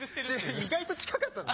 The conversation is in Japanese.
意外と近かったのね。